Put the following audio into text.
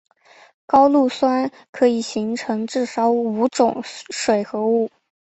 高氯酸可以形成至少五种水合物。